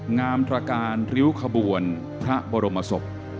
งามตรการริ้วขบวนพระบรมศพ